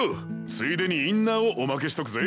ついでにインナーをおまけしとくぜ。